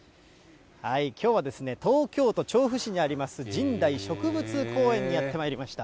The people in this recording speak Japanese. きょうは東京都調布市にあります、神代植物公園にやってまいりました。